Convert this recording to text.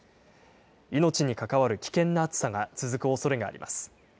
命に関わる危険な暑さが続くおそれがあります。